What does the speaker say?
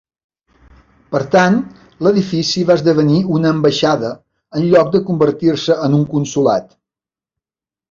Per tant, l'edifici va esdevenir una ambaixada, en lloc de convertir-se en un consolat.